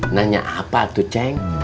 nanya apa tuh ceng